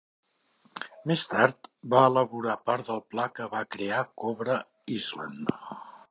Més tard va elaborar part del pla que va crear Cobra Island.